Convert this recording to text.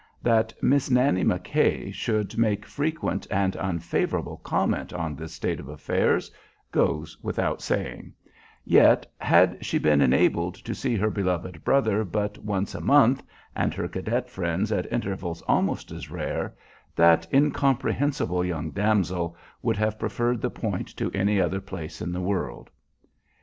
That Miss Nannie McKay should make frequent and unfavorable comment on this state of affairs goes without saying; yet, had she been enabled to see her beloved brother but once a month and her cadet friends at intervals almost as rare, that incomprehensible young damsel would have preferred the Point to any other place in the world.